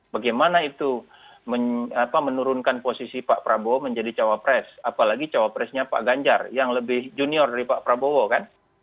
bagaimana itu menurunkan posisi pak prabowo menjadi cawapres apalagi cawapresnya pak ganjar yang lebih junior dari pak prabowo kan